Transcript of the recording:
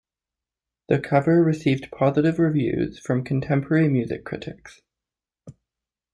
The cover received positive reviews from contemporary music critics.